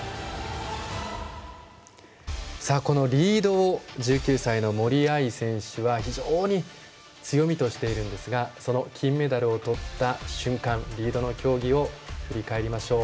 このリード１９歳の森秋彩選手は非常に強みとしているんですがその金メダルをとった瞬間リードの競技を振り返りましょう。